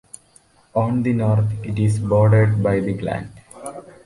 On the north, it is bordered by the Gland.